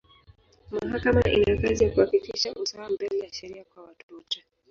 Mahakama ina kazi ya kuhakikisha usawa mbele ya sheria kwa watu wote.